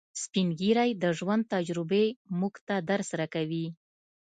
سپین ږیری د ژوند تجربې موږ ته درس راکوي